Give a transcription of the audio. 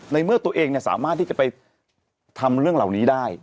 ในเมื่อตัวเองสามารถที่จะไปทำเรื่องเหล่านี้ได้